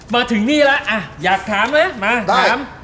มาถึงนี้ละมีข้อค้าไหม